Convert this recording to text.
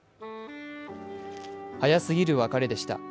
早すぎる別れでした。